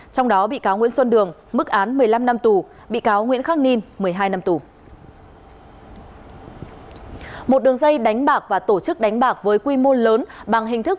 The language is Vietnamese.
trong đó bị cáo nguyễn xuân đường mức án một mươi năm năm tù bị cáo nguyễn khắc ninh một mươi hai năm tù